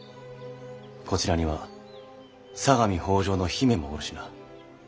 こちらには相模北条の姫もおるしな。